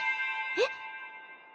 えっ？